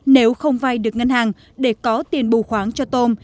nếu không vay được ngân hàng để có tiền bù khoáng cho tôm